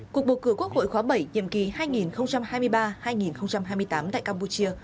cuộc bầu cử quốc hội khóa bảy nhiệm kỳ hai nghìn hai mươi ba hai nghìn hai mươi tám tại campuchia